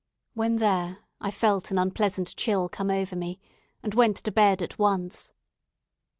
When there, I felt an unpleasant chill come over me, and went to bed at once.